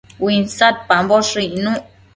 Uinsadpamboshë icnuc